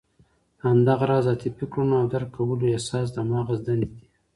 همدغه راز عاطفي کړنو او درک کولو احساس د مغز دندې دي.